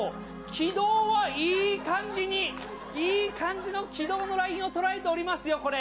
軌道はいい感じに、いい感じの軌道のラインを捉えておりますよ、これ。